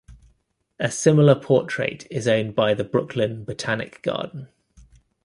A similar portrait is owned by the Brooklyn Botanic Garden.